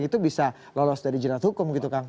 itu bisa lolos dari jerat hukum gitu kang